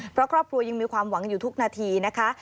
เพราะครอบครัวยังมีความหวังอยู่ทุกนาทีนะคะ